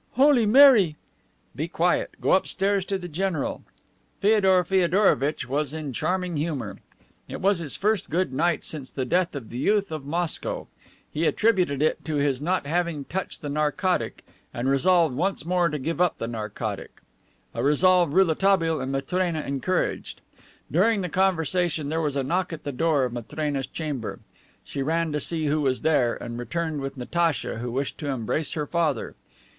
"Holy Mary!" "Be quiet. Go upstairs to the general." Feodor Feodorovitch was in charming humor. It was his first good night since the death of the youth of Moscow. He attributed it to his not having touched the narcotic and resolved, once more, to give up the narcotic, a resolve Rouletabille and Matrena encouraged. During the conversation there was a knock at the door of Matrena's chamber. She ran to see who was there, and returned with Natacha, who wished to embrace her father.